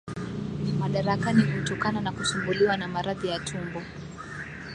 Madarakani kutokana na kusumbuliwa na maradhi ya tumbo